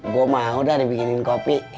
gue mau dah dibikinin kopi